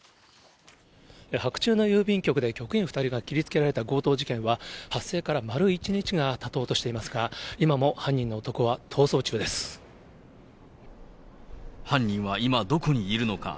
白昼の郵便局で局員２人が切りつけられた強盗事件は、発生から丸１日がたとうとしていますが、今も犯人の男は逃走中で犯人は今、どこにいるのか。